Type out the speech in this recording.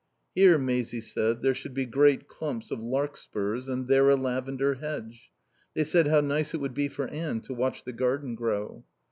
Here, Maisie said, there should be great clumps of larkspurs and there a lavender hedge. They said how nice it would be for Anne to watch the garden grow.